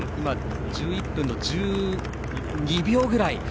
１１分１２秒くらい。